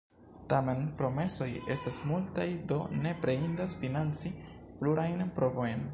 Tamen promesoj estas multaj, do nepre indas financi pluajn provojn.